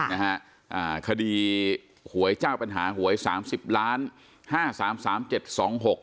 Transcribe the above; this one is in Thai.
นะฮะอ่าคดีหวยเจ้าปัญหาหวยสามสิบล้านห้าสามสามเจ็ดสองหก